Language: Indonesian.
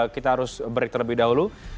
kita harus break terlebih dahulu